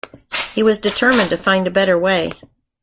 He was determined to find a better way.